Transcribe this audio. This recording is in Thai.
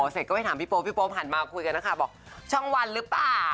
เสร็จก็ไปถามพี่โป๊พี่โป๊หันมาคุยกันนะคะบอกช่องวันหรือเปล่า